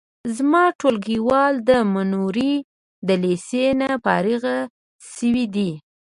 زما ټولګیوال د منورې د لیسې نه فارغ شوی دی